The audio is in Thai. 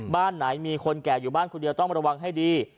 บ้านไหนมีคนแก่อยู่บ้านคนเดียวต้องระวังให้ดี